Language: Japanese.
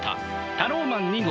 タローマン２号。